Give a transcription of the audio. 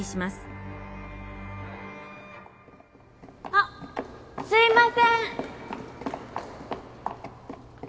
あっすいません。